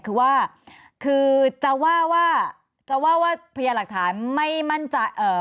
คือว่าคือจะว่าว่าจะว่าว่าพยาหลักฐานไม่มั่นใจเอ่อ